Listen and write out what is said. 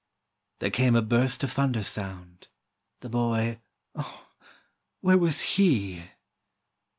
There came a burst of thunder sound; The boy, Oh! where was he?